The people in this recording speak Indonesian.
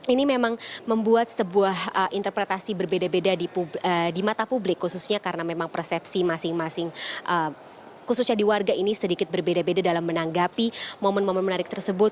ini memang membuat sebuah interpretasi berbeda beda di mata publik khususnya karena memang persepsi masing masing khususnya di warga ini sedikit berbeda beda dalam menanggapi momen momen menarik tersebut